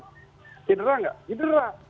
hidrah nggak hidrah